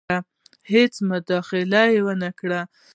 هیڅ مداخله ونه کړي.